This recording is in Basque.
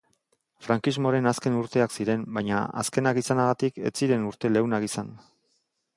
Franksimoaren azken urteak ziren, baina azkenak izanagatik ez ziren urte leunak izan.